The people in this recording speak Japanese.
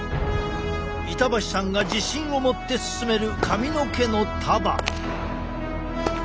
板橋さんが自信を持ってすすめる髪の毛の束。